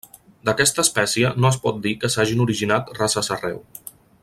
D'aquesta espècie no es pot dir que s'hagin originat races arreu.